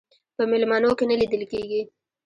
په میلمنو کې نه لیدل کېږي.